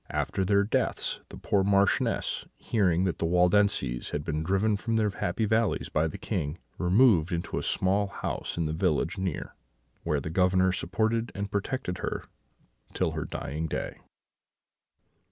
After their deaths, the poor Marchioness, hearing that the Waldenses had been driven from their happy valleys by the King, removed into a small house in the village near, where the Governor supported and protected her till her dying day."